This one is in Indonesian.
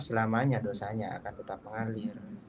selamanya dosanya akan tetap mengalir